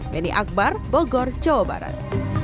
beni akbar bogor jawa barat